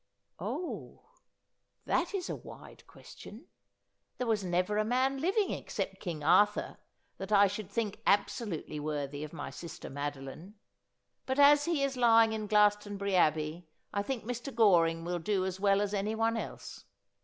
' Oh, that is a wide question. There was never a man living except King Arthur that I should think absolutely worthy of my sister Madoline ; but as he is lying in Glastonbury Abbey, I think Mr. Goring will do as well as anyone else.